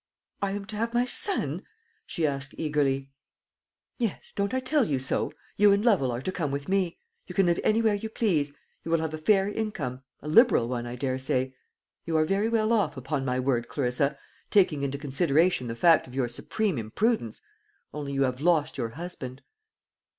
"I am to have my son?" she asked eagerly. "Yes, don't I tell you so? You and Lovel are to come with me. You can live anywhere you please; you will have a fair income, a liberal one, I daresay. You are very well off, upon my word, Clarissa, taking into consideration the fact of your supreme imprudence only you have lost your husband."